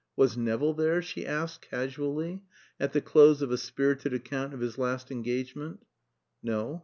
"Was Nevill there?" she asked, casually, at the close of a spirited account of his last engagement. "No.